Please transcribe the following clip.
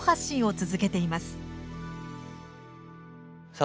さあ